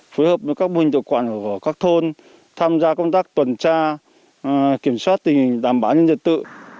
phối hợp với các mô hình tổ quản của các thôn tham gia công tác tuần tra kiểm soát tình hình đảm bảo nhân dân tự